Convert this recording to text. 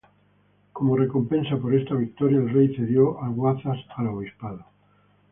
Como recompensa por esta victoria, el rey cedió Alguazas al obispado.